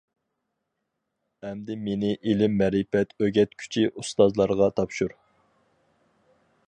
ئەمدى مېنى ئىلىم-مەرىپەت ئۆگەتكۈچى ئۇستازلارغا تاپشۇر.